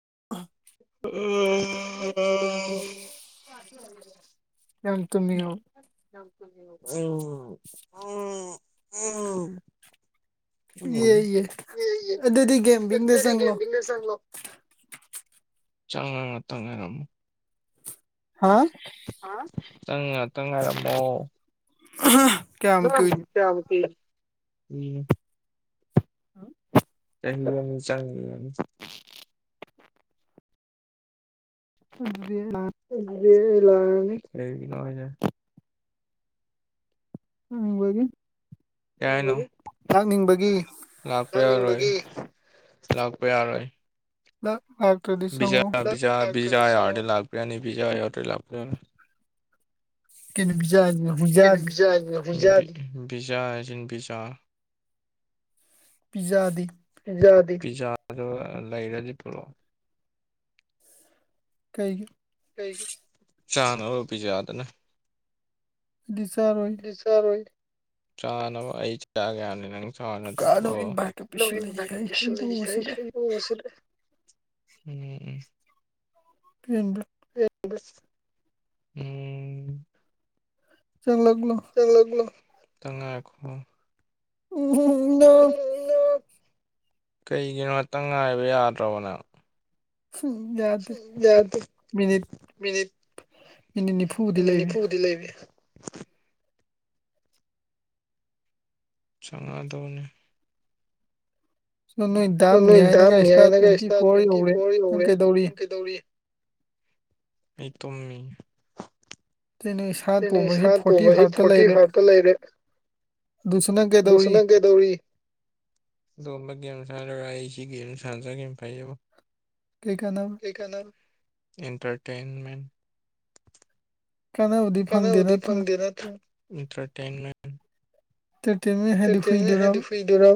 [unintelligible] ꯌꯥꯝ ꯇꯨꯝꯅꯤꯡꯉꯕ ꯎꯝ ꯎꯝ ꯌꯦ ꯌꯦ ꯑꯝ ꯑꯗꯨꯗꯤ ꯒꯦꯝꯕꯤꯡꯗ ꯆꯪꯂꯣ [unintelligible] ꯆꯪꯉ ꯇꯉꯥꯏꯔꯃꯣ ꯍꯥꯥ ꯇꯪ ꯉꯥꯏꯔꯃꯣ ꯑ [unintelligible] [inaudible] ꯆꯍꯤ ꯑꯃ ꯆꯪꯈꯤꯒꯅꯤ ꯗꯤ [inaudible] ꯂꯥꯛꯅꯤ [inaudible] ꯀꯩꯒꯤꯅꯣ [inaudible] ꯌꯥꯥꯏꯅꯣ ꯂꯥꯛꯅꯤꯡꯕꯒꯤ ꯂꯄꯦ ꯑꯣꯏ ꯂꯥꯛꯄ ꯌꯥꯔꯣꯏ ꯃꯥ ꯕꯤꯖ ꯄꯤꯥ ꯕꯤꯖꯥ ꯌꯥꯎꯔꯗꯩ ꯂꯥꯛꯄꯔꯤꯌꯥꯅꯤ ꯕꯤꯖꯥ ꯌꯥꯎꯔꯗꯩ ꯂꯥꯛꯄꯔꯤꯌꯥꯅꯤ ꯀꯩꯅꯕꯤꯖ ꯍꯧꯨꯖꯗ ꯄꯤ ꯄꯤꯖꯥ ꯄꯤꯖꯥ ꯄꯤꯖꯥꯗꯤ ꯌꯥꯗ ꯄꯤꯖꯥꯗꯣ ꯂꯩꯔꯗꯤ ꯄꯨ꯭ꯔꯣ ꯀꯩꯒꯤ ꯆꯥꯅꯔ ꯄꯁꯨ ꯌꯥꯗꯅ ꯑꯗꯨꯗꯤ ꯆꯥꯔꯣꯏ ꯆꯅꯒꯌꯥꯅꯤꯅꯪ ꯆ ꯀꯅꯥꯅꯣ ꯄ ꯏꯟꯚꯥꯏꯠꯀ ꯄꯤꯁꯜꯂꯛꯏꯁꯦ ꯑꯩ ꯂꯩ ꯍꯩꯕꯣꯁꯤꯗ ꯁꯤ ꯎꯝ ꯎꯝ ꯀꯦꯟꯕ ꯎꯝ ꯆꯪꯂꯛꯂꯣ ꯆꯒꯂꯣ ꯆꯉꯥꯏꯈꯣ ꯎꯝ ꯅ ꯀꯩꯒꯤꯅꯣ ꯃꯇꯪ ꯉꯥꯏꯕ ꯌꯥꯗ꯭ꯔꯕꯅꯣ ꯌꯥꯗꯦ ꯌꯥ ꯃꯤꯅꯤꯠ ꯃꯤꯅꯤꯠ ꯃꯤꯅꯤꯠ ꯅꯤꯐꯨꯗꯤ ꯏꯅꯦ ꯂꯩꯔꯤ ꯅꯤꯐꯨꯕꯨꯗꯤ ꯂꯩꯕꯤ ꯁꯉꯗꯕꯅꯤ ꯑꯗꯣ ꯅꯣꯏ ꯁ ꯗꯥꯝ ꯅꯣꯏ ꯅꯤꯌꯥꯏꯅꯒ ꯗꯥꯝꯅꯤ ꯏꯁꯇꯥꯔ ꯍꯥꯏꯅꯒ ꯇ꯭ꯋꯦꯟꯇꯤ ꯏꯁꯇꯥ ꯐꯣꯔ ꯇ꯭ꯋꯦꯟꯇꯤ ꯌꯧꯔꯦ ꯐꯣꯔ ꯅꯪ ꯌꯧꯔꯦ ꯀꯩꯗꯧꯔꯤ ꯅ ꯀꯩꯗꯧꯔꯤ ꯑꯩ ꯇꯝꯃꯤ ꯑꯗꯩ ꯅꯣꯏ ꯁꯥ ꯑꯩꯅ ꯇꯣꯝꯕꯁꯤ ꯏꯁꯥ ꯐꯣꯔꯇꯤ ꯇꯣꯡꯕꯁꯤ ꯐꯥꯏꯚꯇ ꯐꯣꯔꯇꯤ ꯂꯩꯔꯦ ꯐꯥꯏꯚꯇ ꯂꯩꯔꯦ ꯑꯗꯨꯁꯨ ꯅꯪ ꯀꯩꯗꯧꯔꯤ ꯂꯨꯁꯅ ꯀꯦꯗꯧꯔꯤ ꯑꯩꯁꯤ ꯒꯦꯝ ꯁꯥꯟꯖꯒꯦꯝ ꯐꯥꯏꯕꯣ ꯀꯩ ꯀꯅꯕ ꯑꯦꯟꯇꯔꯇꯦꯟꯃꯦꯟ ꯀꯥꯟꯅꯕꯗꯤ ꯐꯪꯗꯦ ꯀꯅꯕꯗꯤ ꯅꯠꯇ꯭ꯔꯥ ꯐꯪꯗꯦ ꯅꯠꯇꯔ ꯏꯟꯇꯔꯇꯃꯦꯟ ꯏꯟꯇꯔꯇꯦꯟꯃꯦꯟ ꯇ ꯍꯥꯏꯗꯤ ꯇꯦꯃꯤ ꯍꯨꯏꯗꯨꯔꯕ ꯍꯨꯏꯗꯨ ꯗꯔ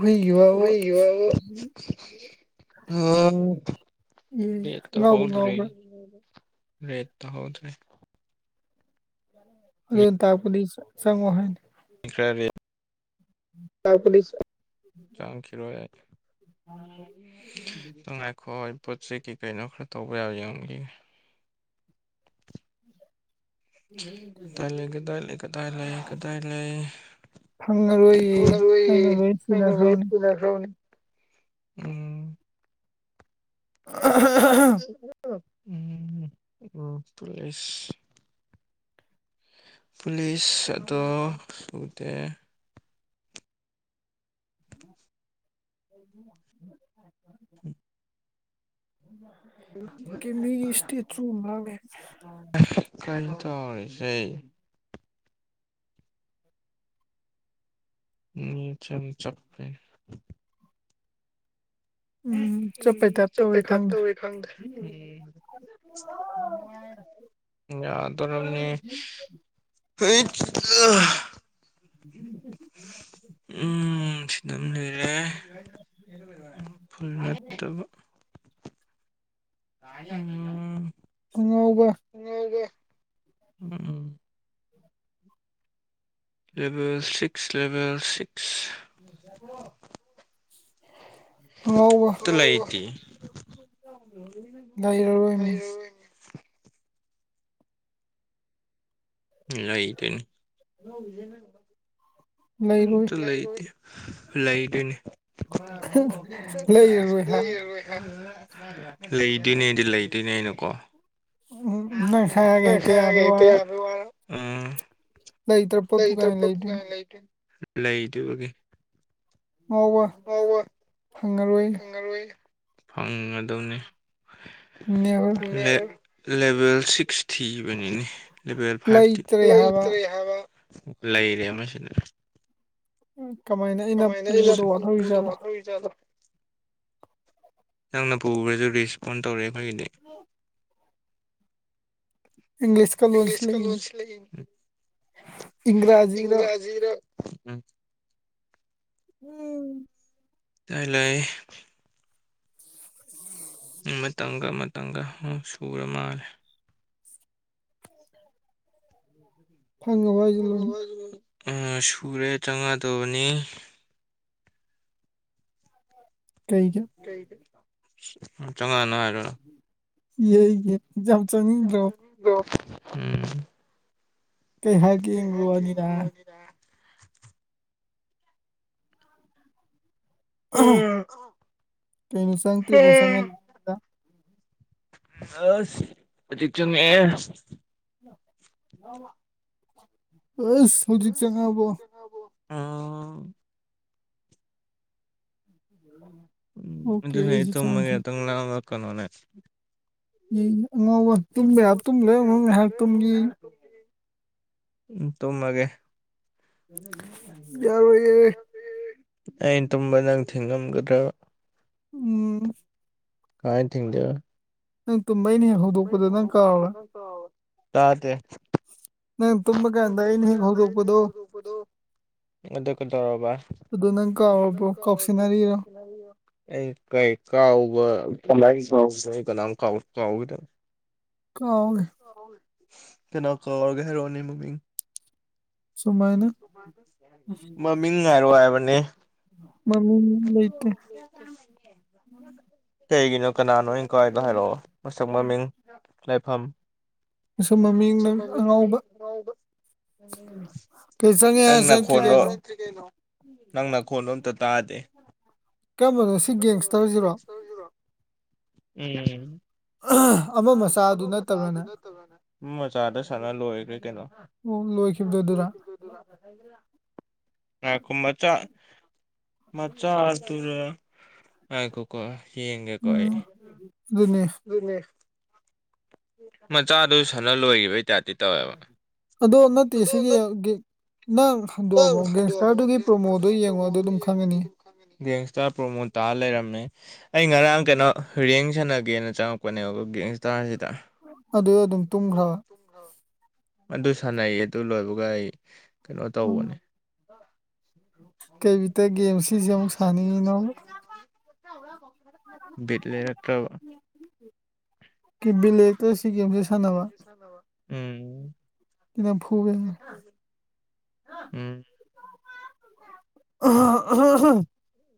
ꯍꯨꯏꯒꯤ ꯋꯥꯕꯨ ꯍꯨꯏ ꯌꯦ [inaudible] ꯉꯥꯎꯕ ꯍꯣꯗ ꯔꯦ ꯉꯥꯎꯕ꯭ꯔꯥ ꯔꯦꯠ ꯇ ꯍꯧꯗ꯭ꯔꯦ ꯑꯗꯨ ꯇꯄꯗꯤ ꯆ ꯆꯉꯣ ꯍꯥꯏ ꯈ꯭ꯔꯦ ꯆꯪꯈꯤꯔꯣꯏ ꯉꯥꯏ ꯈꯣꯏ ꯄꯣꯠ ꯆꯩ ꯀꯩ ꯀꯩꯅꯣ ꯈꯔ ꯇꯧꯕ ꯌꯥꯕ ꯌꯦꯡꯈꯤꯒꯦ ꯀꯗꯥꯏ ꯂꯩ ꯀꯗꯥꯏ ꯂꯩ ꯀꯗꯥꯏ ꯂꯩ ꯀꯗꯥꯏ ꯂꯩ ꯐꯪꯉꯔꯣꯏꯌꯦ ꯑꯩꯅ ꯂꯣꯏ ꯑꯔ ꯁꯤꯟꯅꯈ꯭ꯔꯕꯅꯤ ꯀꯅ ꯦꯁ ꯁꯅꯤ ꯎꯝ ꯎꯝ ꯆꯁ ꯄꯨꯂꯤꯁꯗ ꯁꯗ [unintelligible] ꯀ ꯃꯤ ꯏꯁꯇꯤ ꯊ꯭ꯔꯨꯕ ꯃꯥꯅꯦꯦ ꯀꯥꯏ ꯇꯣ ꯑꯣꯏꯁꯦ ꯎ ꯆꯅꯤ ꯆꯞꯄꯩ ꯎꯝ ꯆꯠꯄꯩ ꯎꯝ ꯇꯥꯏꯞ ꯇꯧꯋꯦ ꯆꯞꯄꯩ ꯆꯞꯇ ꯈꯪꯗꯦ ꯈꯪꯗ ꯌꯥ ꯇꯔꯅꯤꯅꯤ ꯎꯝ ꯁꯤꯗ ꯑꯃ [unintelligible] ꯐ ꯅꯠꯇꯕ ꯎꯨꯡ ꯦ ꯑ ꯂꯦꯚꯦꯜ ꯁꯤꯛꯁ ꯂꯦꯚꯦꯜ ꯁꯤꯛꯁ ꯎ ꯑꯪꯉꯥꯎꯕ ꯑꯝꯇ ꯂꯩꯇꯦ ꯂꯩꯔꯔꯣꯏꯅꯤ ꯎ ꯑꯩ ꯇꯅꯤ ꯎ ꯂꯩꯔꯣꯏ ꯇ ꯂꯩꯗ ꯂꯩꯥꯏꯗꯅꯤ ꯂꯩꯔꯔꯣꯏ ꯍꯥ [unintelligible] ꯂꯩꯗꯣꯏꯅꯦꯗꯤ ꯂꯩꯗꯣꯏꯅꯦꯩꯅꯀꯣ ꯎꯝ ꯅꯪ ꯍꯥꯏꯔꯒ ꯍꯦꯛꯇ ꯌꯥꯕꯩ ꯋꯥꯔ ꯑꯗꯨ ꯂꯩꯇ꯭ꯔ ꯄꯣꯠꯄꯨ ꯂꯩꯇ꯭ꯔꯣ ꯀꯥꯏꯅ ꯂꯩꯗꯣꯏꯅꯣ ꯂꯩ ꯂꯩ ꯉꯥꯎꯕ ꯐꯪꯉꯔꯣꯏ ꯐꯪꯒꯗꯧꯅꯤ ꯎꯝ ꯂꯦꯚꯦꯜ ꯁꯤꯛꯁ ꯊꯤꯕꯅꯤꯅꯦ ꯂꯦꯚꯦꯜ ꯐꯥꯏꯚꯇꯤꯇ ꯂꯩꯇ꯭ꯔꯦ [inaudible] ꯂꯩꯔꯦ ꯑꯃ ꯂꯩ ꯎ ꯀꯃꯥꯏꯅ ꯑꯩꯅ ꯄꯨꯕꯗꯣ ꯋꯥꯠꯊꯧꯔꯤꯖꯥꯠꯂꯣ ꯅꯪꯅ ꯄꯨꯈ꯭ꯔꯁꯨ ꯔꯦꯁꯄꯣꯟ ꯇꯧꯔꯦ ꯑꯩꯈꯣꯏꯒꯤꯗꯤ ꯏꯪꯂꯤꯁꯀ ꯂꯣꯟꯁꯤ ꯏꯪꯂꯤꯁ ꯀ ꯂꯩꯅꯤ ꯂꯁꯤ ꯂꯩ ꯏꯪꯒ꯭ꯔꯥꯖꯤꯔ ꯏꯪꯔꯖꯤ ꯔ ꯎꯝ ꯎꯝ ꯇꯥꯏ ꯂꯩ ꯃꯇꯝꯪꯒ ꯃꯇꯝꯪꯒ ꯁꯨꯔ ꯃꯥꯜꯂꯦ ꯐꯪꯧ ꯍꯥꯏꯖꯂ ꯁꯨꯔꯦ ꯆꯪꯉꯗꯕꯅꯤ ꯀꯩꯒꯤ ꯆꯪꯉꯅꯔ ꯌꯦꯏꯒꯤ ꯌꯥꯝ ꯆꯪꯅꯤꯡꯗ꯭ꯔꯣ ꯍꯥꯏ ꯀꯩ ꯍꯥꯏꯒꯦ ꯌꯦꯡꯕ ꯋꯥꯅꯤꯗ ꯍꯥꯏꯔ ꯀ ꯅꯨꯁꯥꯡꯇꯔꯤꯁꯉ ꯍꯖꯤ ꯆꯨꯝꯉꯦ ꯑꯁ ꯍꯧꯖꯤꯛ ꯆꯪꯉꯕꯣ ꯑꯥ ꯎꯝ ꯎꯝ ꯑꯗꯨꯅꯦ ꯇꯨꯝꯃꯒꯦꯇꯪ ꯂꯥꯡ ꯂꯛꯀꯅꯣꯅꯦ ꯎ ꯑꯉꯥꯎꯕ ꯇꯨꯝꯂꯦ ꯍꯥꯏ ꯇꯨꯝꯂꯦ ꯑꯉ ꯍꯥꯏ ꯇꯨꯝꯒꯤ ꯎ ꯇꯃꯒꯦ ꯌꯥꯔ ꯑꯣꯏ ꯑꯩꯅ ꯇꯨꯝꯕ ꯅꯪ ꯊꯤꯡꯉꯝꯒꯗ꯭ꯔꯕ ꯎꯝ ꯀꯥꯏ ꯊꯤꯡꯗꯦ ꯅꯪ ꯇꯨꯝꯕ ꯑꯩꯅ ꯍꯦꯛ ꯍꯧꯗꯣꯛꯄꯗ ꯅꯪ ꯀꯥꯎ꯭ꯔꯥ ꯇꯥꯗꯤꯦ ꯅꯪ ꯇꯨꯝꯃ ꯀꯥꯟꯗ ꯏꯟ ꯍꯦꯒ ꯍꯒꯕꯗꯨꯣ ꯑꯗꯨꯗ ꯀ ꯇꯧꯔꯕ ꯑꯗꯨ ꯅꯪ ꯀꯥꯎꯔꯕ꯭ꯔꯣ ꯀꯥꯎꯁꯤꯟꯅꯔꯤꯔꯣ ꯑꯩ ꯀꯩ ꯀꯥꯎꯕ ꯀ ꯀꯥꯎ ꯀꯅꯥꯝꯥꯎ ꯀꯥꯎꯈꯤꯦꯗꯪ ꯀꯥꯎꯒ ꯀꯅꯥ ꯀꯔꯒ ꯍꯔꯣꯅꯤ ꯃꯣꯃꯤ ꯁꯨꯃꯥꯏꯅ ꯃꯃꯤꯡ ꯍꯥꯏꯔꯣ ꯍꯥꯏꯕꯅꯦ ꯃꯃꯡ ꯂꯩꯇ ꯀꯩꯒꯤꯅꯣ ꯀꯅꯥꯅꯣ ꯑꯪ ꯀꯥꯏꯗꯣ ꯍꯥꯏꯔꯛꯑꯣ ꯃꯁꯛ ꯃꯃꯤꯡ ꯂꯩꯐꯝ ꯑꯁꯨꯝ ꯃꯃꯤꯡ ꯅꯪ ꯨꯝꯃꯅꯤ ꯑꯉꯥꯎꯕ ꯀꯩ ꯆꯪꯉꯦ ꯅꯪ ꯍꯥꯏꯔ ꯅ ꯆꯪꯛꯇ꯭ꯔꯤ ꯈꯣꯟ ꯀꯩꯅꯣ ꯅꯪ ꯅꯈꯣꯜꯂꯣꯝꯇ ꯇꯥꯗꯦ ꯀꯝꯕꯅꯣ ꯁꯤ ꯒꯦꯡꯁꯇꯔꯁꯤꯔꯣ ꯎ ꯑꯃ ꯃꯆꯥꯗꯨ ꯑꯕꯣꯁ ꯑ ꯅꯠꯇꯕ꯭ꯔꯅꯦ ꯑꯗꯨꯗ ꯇꯕꯅꯦ ꯎꯝ ꯃꯆꯥꯗ ꯁꯥꯟꯅ ꯂꯣꯏꯈ꯭ꯔꯦ ꯀꯩꯅꯣ ꯑꯣ ꯂꯣꯏꯈꯤꯕꯗꯨꯣ ꯑꯗꯨꯔꯥ ꯈꯣ ꯃꯆꯥ ꯃꯆꯥ ꯑꯗꯨꯔ ꯍꯥꯏ ꯀꯣ ꯀ ꯍ ꯌꯦꯡꯒꯦ ꯀ ꯎꯝ ꯑꯗꯨꯅꯦ ꯃꯆꯥꯗꯨ ꯁꯅ ꯂꯣꯏꯈꯤꯕꯩꯇꯗꯤꯤ ꯇꯧꯋꯦꯕ ꯑꯗꯣ ꯅꯠꯇꯦ ꯁꯤꯒꯤ ꯅꯪ ꯍꯟꯗꯣꯛꯕꯣ ꯒꯦꯡꯁꯇꯔꯗꯨꯒꯤ ꯄ꯭ꯔꯣꯃꯣꯗꯨ ꯌꯦꯡꯉꯣ ꯑꯗꯨ ꯑꯗꯨꯝ ꯈꯪꯉꯅꯤ ꯒꯦꯡꯁꯇꯥꯔ ꯄ꯭ꯔꯣꯃꯣ ꯇꯥꯔ ꯂꯩꯔꯝꯃꯦ ꯑꯩ ꯉꯔꯥꯡ ꯀꯩꯅꯣ ꯔꯔꯦꯡ ꯁꯥꯟꯅꯒꯦꯅ ꯆꯪꯉꯛꯄꯅꯦꯕ ꯒꯦꯡꯁꯇꯔꯁꯤꯗ ꯑꯗꯨ ꯑꯗꯨꯝ ꯇꯨꯝꯈ꯭ꯔꯕ ꯑꯗꯨ ꯁꯥꯟꯅꯩ ꯑꯗꯨ ꯂꯣꯏꯕꯒ ꯑꯩ ꯀꯩꯅꯣ ꯎꯝ ꯇꯧꯕꯅꯦ ꯀꯩ ꯕꯤꯠꯇ ꯒꯦꯝ ꯁꯤꯁꯦ ꯑꯃꯨꯛ ꯀꯩꯁꯤ ꯁ ꯁꯥꯟꯅꯤꯡꯉꯤꯅꯣ ꯠꯂꯔꯠꯇ꯭ꯔ ꯀꯤꯕꯤ ꯂꯩꯇ ꯁꯤꯦꯟꯗꯤ ꯁꯥꯟꯅꯋꯥ ꯅꯝꯐꯨꯒ ꯎꯝ ꯑꯨꯝ ꯑꯁꯨꯝ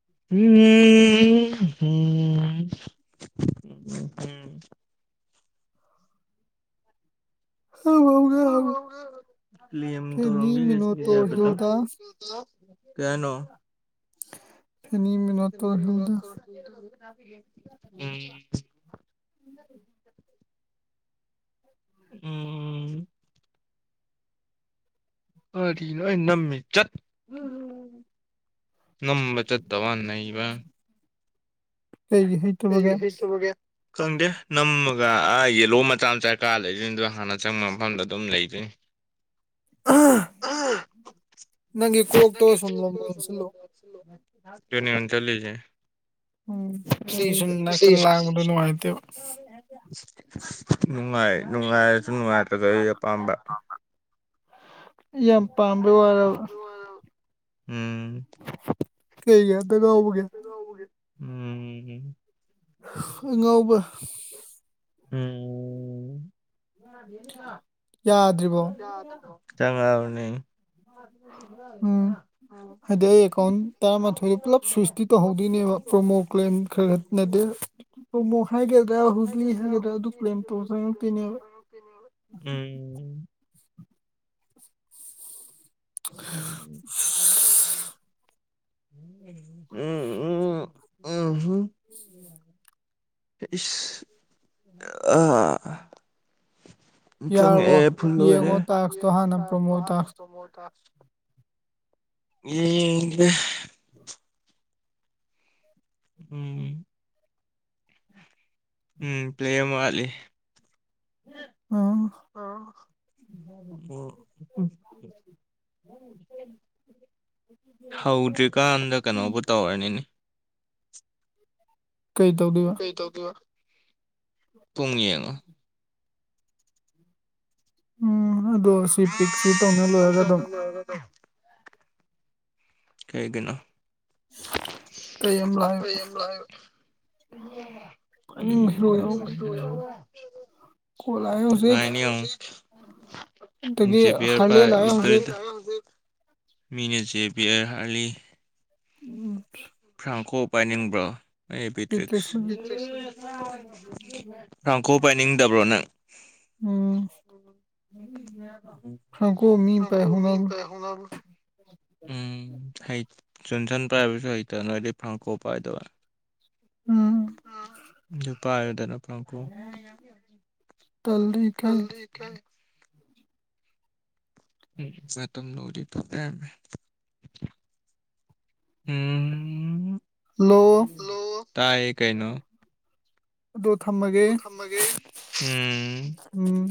ꯎ ꯎꯝ ꯎꯝ ꯐꯦꯅꯤ ꯔꯂꯤ ꯃꯤꯅꯣꯇꯣꯔ ꯍꯤꯜꯗꯥ ꯀꯩꯅꯣ ꯐꯦꯅꯤꯃꯤꯅꯣ ꯇꯣꯔ ꯍꯜꯗ [unintelligible] ꯎꯝ ꯎꯝ ꯑꯔꯤ ꯅ ꯅꯃꯤꯃꯦ ꯆꯠ ꯅꯝꯕꯆꯗꯋꯥ ꯅꯔꯤꯕ ꯀꯩꯒꯤ ꯍꯩꯇꯕꯒꯦ ꯈꯪꯗꯦ ꯅꯃꯒ ꯑꯗꯨꯒꯥ ꯌꯦꯜꯂꯣ ꯃꯆꯥ ꯃꯆꯥ ꯀꯥꯔ ꯂꯩꯗꯣꯏꯅꯤꯗ ꯍꯥꯟꯅ ꯆꯪꯕ ꯃꯐꯝꯗ ꯑꯗꯨꯝ ꯂꯩꯗꯣꯏꯅꯤ ꯅꯪꯒꯤ ꯛꯇ ꯀꯣꯛꯇꯣ ꯁꯨꯝ ꯂꯣꯝ ꯂꯣꯟꯁꯤꯜꯂꯣ ꯀꯅꯤꯨ ꯆꯖꯦ ꯎꯝꯁꯟꯅꯥ ꯀꯩꯅ ꯂꯥꯛꯗꯅꯅꯨꯡꯉꯇꯦꯕ ꯅꯨꯡꯉꯥꯏ ꯅꯨꯡꯉꯥꯏꯔꯁꯨ ꯅꯨꯡꯉꯥꯏꯇꯁꯨ ꯑꯩ ꯑꯄꯥꯝꯕ ꯌꯥꯝ ꯄꯥꯝꯕꯩ ꯋꯥꯔ ꯎꯝ ꯀꯩꯒꯗꯒꯕꯒꯦ ꯎꯝ ꯑꯉꯥꯎꯕ ꯎꯝ ꯆꯪꯉꯒꯥ ꯌꯥꯗ꯭ꯔꯤꯕꯣ ꯎꯅꯤ ꯎꯝ ꯍꯥꯏꯗꯤ ꯑꯩ ꯑꯦꯀꯥꯎꯟ ꯇꯔꯥꯃꯥꯊꯣꯏꯗ ꯄꯨꯂꯞ ꯁ꯭ꯋꯏꯁꯇꯤ ꯇꯧꯍꯧꯗꯣꯏꯅꯦꯕ ꯄ꯭ꯔꯣꯃꯣ ꯀ꯭ꯂꯦꯝ ꯈꯔ ꯈ ꯅꯗꯦ ꯎ [inaudible] ꯀ꯭ꯂꯦꯝ ꯇꯧ ꯆꯪꯉꯛꯇꯣꯏꯅꯦꯕ ꯎꯝ ꯎꯝ ꯑ [inaudible] ꯏꯁ ꯑꯥ ꯆꯪꯉꯦ ꯌꯥꯔꯕꯣ ꯐꯜ ꯌꯦꯡꯉꯣ ꯇꯥꯛꯁꯇꯣ ꯍꯥꯟꯅ ꯄ꯭ꯔꯣꯃꯣ ꯇꯥꯛꯁꯇꯣ ꯑꯣꯏꯔꯣ ꯌꯦꯗꯦ ꯎꯝ ꯎꯝ ꯄ꯭ꯂꯦꯝ ꯋꯥꯠꯂꯤ ꯑ ꯑꯣ ꯎꯝ [inaudible] ꯍꯧꯗ꯭ꯔꯤꯀꯥꯟꯗ ꯀꯩꯅꯣꯕꯨ ꯇꯧꯔꯅꯤꯅꯦ ꯀꯩ ꯇꯧꯗꯣꯏꯕ ꯄꯨꯡ ꯌꯦꯉꯣ ꯎꯝ ꯑꯗꯣ ꯁꯤ ꯄꯤꯛꯁꯤ ꯇꯧ [inaudible] ꯀꯩꯒꯤꯅꯣ ꯀꯩ ꯑꯃ ꯂꯥꯏꯕ ꯌꯥꯎꯔꯤ ꯎꯝ ꯀꯣꯠ ꯂꯥꯛꯑꯦ ꯍꯧꯖꯤꯛ ꯅꯨꯉꯥꯏꯅꯤꯉꯣ ꯑꯗꯒꯤ ꯖꯦꯕꯤꯋꯔ ꯍꯥꯔꯂꯦ ꯄꯥꯏ ꯂꯥꯛꯑꯦ ꯍꯧꯖꯤꯛ ꯏꯗ ꯃꯤꯅ ꯖꯦꯕꯤꯌꯔ ꯍꯥꯔꯜꯂꯤ ꯎꯝ ꯇꯥꯡꯈꯣ ꯄꯥꯏꯅꯤꯡꯕ꯭ꯔꯣ ꯑꯩ ꯄꯕꯤꯇ꯭ꯔꯤꯛꯁ ꯄꯦꯇꯦꯛꯁ ꯔꯥꯡ ꯀ ꯄꯥꯏꯅꯤꯡ ꯗꯕ꯭ꯔꯣ ꯅꯪ ꯎꯝ ꯈ ꯀꯣ ꯃꯤ ꯄꯥꯏꯍꯧꯅꯕꯣ ꯎꯝ ꯍꯩ ꯖꯟꯁꯟ ꯄꯥꯏꯕꯁꯨ ꯍꯩꯇ ꯅꯣꯏꯗꯤ ꯐꯥꯡꯀꯣ ꯄꯥꯏꯗꯕ ꯎꯝ ꯅꯨꯄꯥ ꯑꯌꯗꯟ ꯑꯄꯥ ꯀ ꯇꯂꯤꯀꯩ ꯎꯝ ꯃꯇꯝ ꯅꯔꯤ ꯇꯣꯛꯅꯒ꯭ꯔꯦ ꯍꯂꯣ ꯇꯥꯏ ꯀꯩꯅꯣ ꯑꯗꯣ ꯊꯝꯃꯒꯦ ꯇꯣ ꯊꯃꯒꯦ ꯎꯝ ꯎꯝ